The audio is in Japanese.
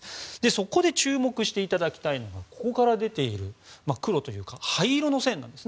そこで注目していただきたいのがここから出ている灰色の線です。